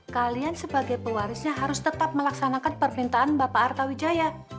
kalian sebagai pewarisnya harus tetap melaksanakan permintaan bapak arta wijaya